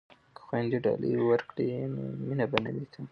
که خویندې ډالۍ ورکړي نو مینه به نه وي کمه.